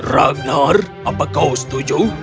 ragnar apa kau setuju